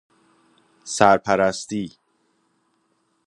سرپرستی